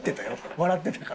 笑ってたから。